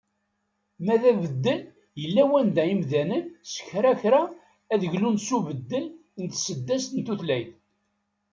Ma d abeddel yella wanda imdanen, s kra kra ad glun s ubeddel n tseddast n tutlayt.